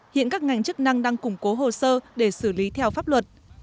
hiện các ngành chức năng đang củng cố hồ sơ để xử lý theo pháp luật